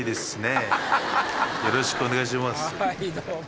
よろしくお願いします。